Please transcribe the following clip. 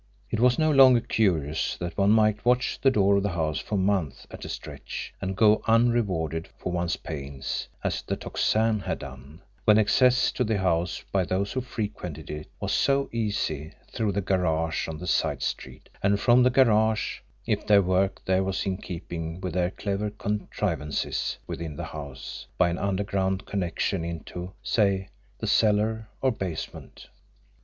It was no longer curious that one might watch the door of the house for months at a stretch and go unrewarded for one's pains, as the Tocsin had done, when access to the house by those who frequented it was so easy through the garage on the side street and from the garage, if their work there was in keeping with their clever contrivances within the house, by an underground connection into, say, the cellar or basement!